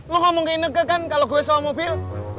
lu ngomong ke ineke kan kalau gue sewa mobil